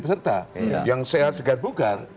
peserta yang sehat segar bugar